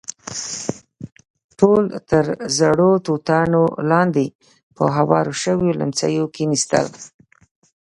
ټول تر زړو توتانو لاندې پر هوارو شويو ليمڅيو کېناستل.